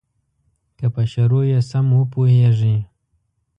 که په شروع یې سم وپوهیږې.